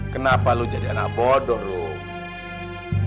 kenapa lo jadi anak bodoh lo